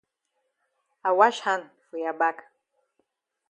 I wash hand for ya back.